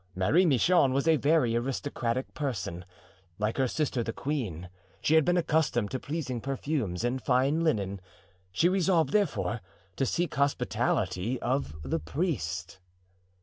Marie Michon was a very aristocratic person; like her sister the queen, she had been accustomed to pleasing perfumes and fine linen; she resolved, therefore, to seek hospitality of the priest."